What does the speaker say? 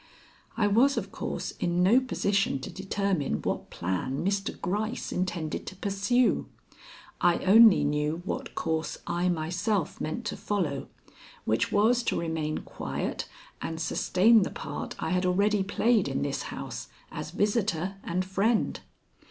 I was, of course, in no position to determine what plan Mr. Gryce intended to pursue. I only knew what course I myself meant to follow, which was to remain quiet and sustain the part I had already played in this house as visitor and friend.